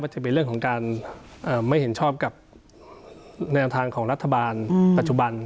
จะเป็นเรื่องของการไม่เห็นชอบกับแนวทางของรัฐบาลปัจจุบัน